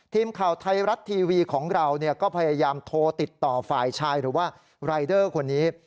ทีมข่าวไทยรัฐทีวีของเราก็พยายามโทรติดต่อฝ่ายชายหรือว่ารายเดอร์คนนี้